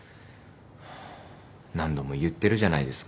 何度も言ってるじゃないですか。